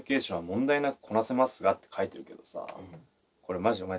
「問題なくこなせますが」って書いてるけどさこれマジでお前